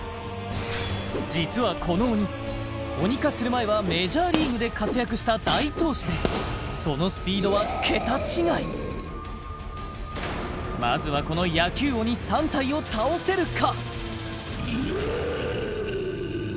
実はこの鬼鬼化する前はメジャーリーグで活躍した大投手でそのスピードは桁違いまずはこの野球鬼３体を倒せるか？